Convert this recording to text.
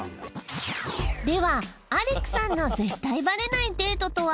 ではアレクさんの絶対バレないデートとは？